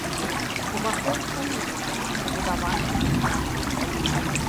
Уваход па лесвіцы, прыбудаванай да тарца.